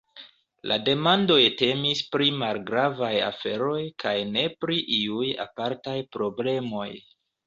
La demandoj temis pri malgravaj aferoj kaj ne pri iuj apartaj problemoj.